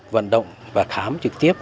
vận động và khám trực tiếp